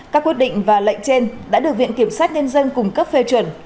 các quyết định và lệnh trên đã được viện kiểm sát nhân dân cung cấp phê chuẩn